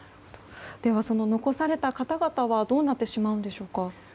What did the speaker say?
では、残された方々はどうなってしまうんでしょうか。